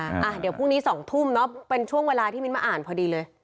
อ่ะเดี๋ยวพรุ่งนี้สองทุ่มเนอะเป็นช่วงเวลาที่มิ้นมาอ่านพอดีเลย